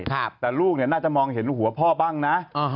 แต่ลูกเนี่ยน่าจะมองเห็นหัวพ่อบ้างนะ